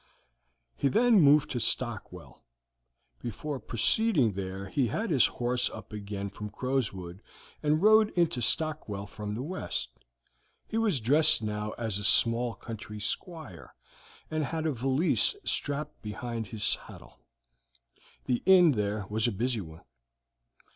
He then moved to Stockwell. Before proceeding there he had his horse up again from Crowswood, and rode into Stockwell from the west. He was dressed now as a small country squire, and had a valise strapped behind his saddle. The inn there was a busy one.